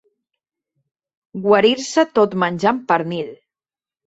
Guarir-se tot menjant pernil.